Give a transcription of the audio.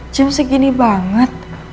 jam segini banget